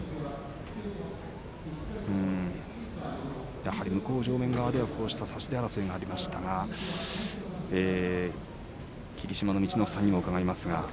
やはり向正面側では差し手争いがありましたが霧島の陸奥さんにも伺います。